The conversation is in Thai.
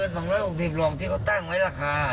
ไม่เกิน๒๖๐ลองที่เขาตั้งไว้ราคา